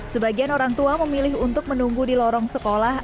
sebagian orang tua memilih untuk menunggu di lorong sekolah